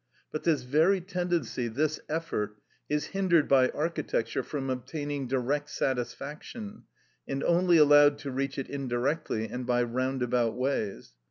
But this very tendency, this effort, is hindered by architecture from obtaining direct satisfaction, and only allowed to reach it indirectly and by roundabout ways.